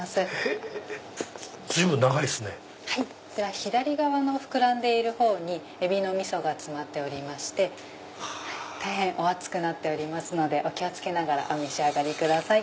左側の膨らんでいるほうにエビのみそが詰まってまして大変お熱くなっておりますのでお気を付けながらお召し上がりください。